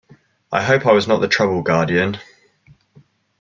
I hope I was not the trouble, guardian?